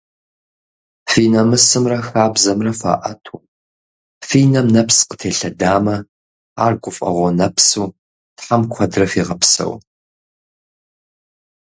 Фи намысымрэ хабзэмрэ фаӏэту, фи нэм нэпс къытелъэдамэ ар гуфӏэгъуэ нэпсу Тхьэм куэдрэ фигъэпсэу!